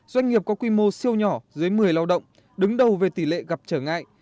doanh nghiệp có quy mô siêu nhỏ dưới một mươi lao động đứng đầu về tỷ lệ gặp trở ngại